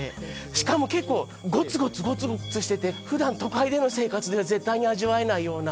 しかも結構ごつごつごつごつしててふだん都会での生活では絶対味わえないような。